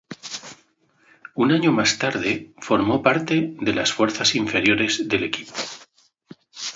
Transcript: Un año más tarde, formó parte de las fuerzas inferiores del equipo.